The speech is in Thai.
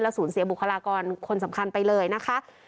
สูญเสียบุคลากรคนสำคัญไปเลยนะคะ